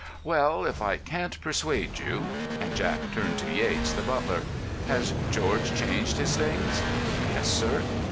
"Well, if I can't persuade you——" and Jack turned to Yates, the butler. "Has George changed his things?" "Yes, sir."